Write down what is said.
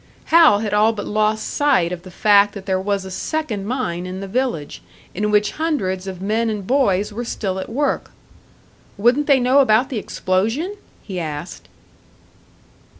Hal had all but lost sight of the fact that there was a second mine in the village, in which hundreds of men and boys were still at work. "Wouldn't they know about the explosion?" he asked.